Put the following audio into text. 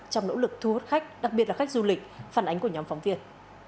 trong nỗ lực thu hút khách đặc biệt là khách du lịch phản ánh của nhóm phóng viên